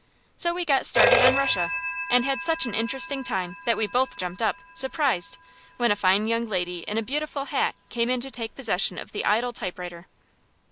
So we got started on Russia, and had such an interesting time that we both jumped up, surprised, when a fine young lady in a beautiful hat came in to take possession of the idle typewriter.